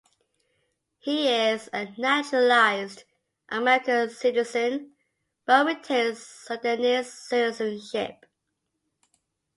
He is a naturalized American citizen, but retains Sudanese citizenship.